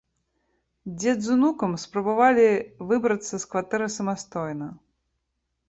Дзед з унукам спрабавалі выбрацца з кватэры самастойна.